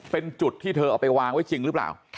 เป็นจุดที่เธอเอาไปวางไว้จริงหรือเปล่า